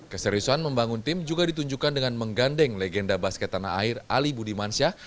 keseriusan membangun tim juga ditunjukkan dengan menggandeng legenda basket tanah air ali budimansyah